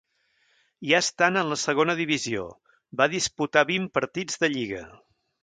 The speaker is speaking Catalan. Ja estant en la segona divisió, va disputar vint partits de lliga.